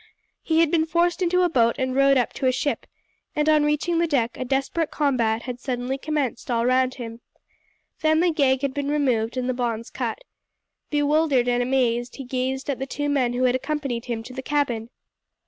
He had been forced into a boat and rowed up to a ship, and on reaching the deck a desperate combat had suddenly commenced all round him. Then the gag had been removed and the bonds cut. Bewildered and amazed he gazed at the two men who had accompanied him to the cabin.